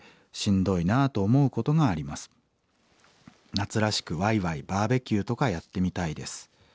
夏らしくワイワイバーベキューとかやってみたいです。